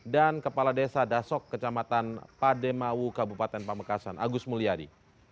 dan kepala desa dasok kecamatan pademawu kabupaten pamekasan agus mulyadi